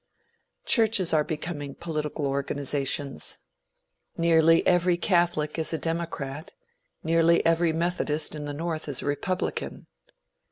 Churches are becoming political organizations. Nearly every Catholic is a democrat; nearly every Methodist in the North is a republican.